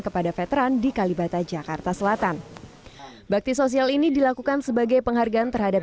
kepada veteran di kalibata jakarta selatan bakti sosial ini dilakukan sebagai penghargaan terhadap